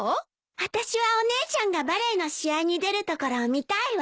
あたしはお姉ちゃんがバレーの試合に出るところを見たいわ。